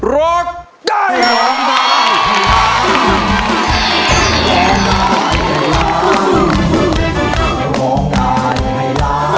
โรคได้